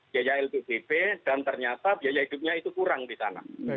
biaya lpdp dan ternyata biaya hidupnya itu kurang di sana